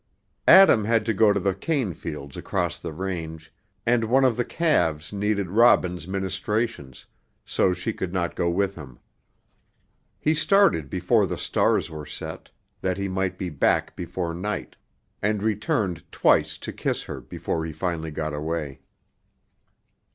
Adam had to go to the cane fields across the range, and one of the calves needed Robin's ministrations, so she could not go with him. He started before the stars were set, that he might be back before night, and returned twice to kiss her before he finally got away.